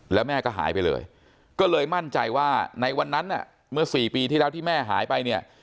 แล้วแม่ก็หายไปเลยก็เลยมั่นใจว่าในวันนั้นเมื่อ๔ปีที่แล้วที่แม่หายไปเนี่ย